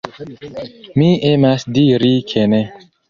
Mi emas diri ke ne.